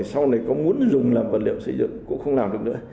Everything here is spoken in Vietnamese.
sau này có muốn dùng làm vật liệu sử dụng cũng không làm được nữa